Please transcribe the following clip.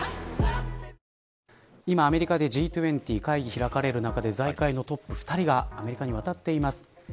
アメリカで、Ｇ２０会議が開かれる中で財界のトップ２人がアメリカに渡っています。